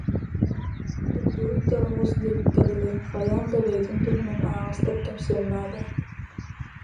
Дугдуруй да оҕус диэбиккэ дылы, хайаан да бэйэтин туһунан аһаҕастык кэпсиэн наада